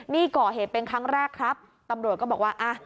นี่ก่อเหตุเป็นครั้งแรกครับตำรวจก็บอกว่าอ่ะ